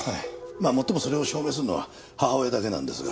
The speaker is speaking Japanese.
まあもっともそれを証明するのは母親だけなんですが。